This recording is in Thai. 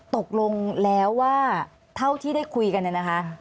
ตกลงแล้วว่าเท่าที่ได้คุยกันเนี่ยนะคะ